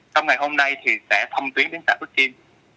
trong ngày hôm nay thì sẽ thông tuyến đến xã phước kim